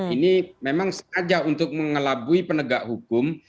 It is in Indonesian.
ini memang sengaja untuk mengelabui penegak hukum